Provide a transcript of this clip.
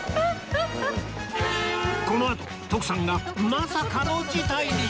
このあと徳さんがまさかの事態に！